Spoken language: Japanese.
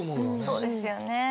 そうですよね。